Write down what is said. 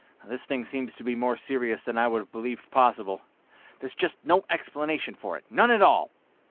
"This thing seems to be more serious than I would have believed possible. There's just no explanation for it, none at all!"